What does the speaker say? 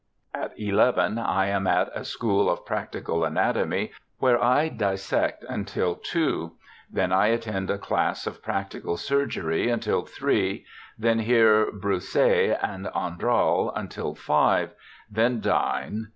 At eleven I am at a school of practical anatomy, where I dissect until two. Then I attend a class of practical surgery until three ; then hear Broussais and Andral until five ; then dine.